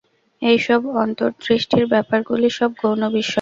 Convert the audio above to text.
এইসব অন্তর্দৃষ্টির ব্যাপারগুলি সব গৌণ বিষয়।